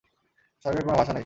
স্বর্গের কোন ভাষা নেই।